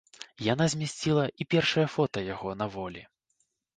Яна змясціла і першае фота яго на волі.